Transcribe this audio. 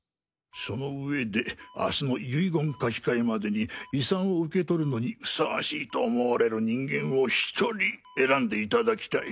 そのうえで明日の遺言書き換えまでに遺産を受け取るのにふさわしいと思われる人間を１人選んでいただきたい。